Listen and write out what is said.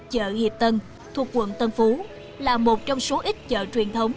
chợ hiệp tân thuộc quận tân phú là một trong số ít chợ truyền thống